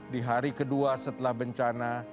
di hari kedua setelah bencana